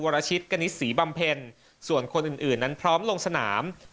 รชิตกณิตศรีบำเพ็ญส่วนคนอื่นอื่นนั้นพร้อมลงสนาม